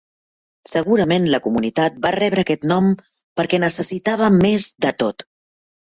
Segurament la comunitat va rebre aquest nom perquè necessitava més de tot.